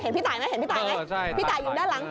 เห็นพี่ตายไหมพี่ตายอยู่ด้านหลัง